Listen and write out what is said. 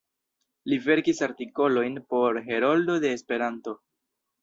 Li verkis artikolojn por "Heroldo de Esperanto.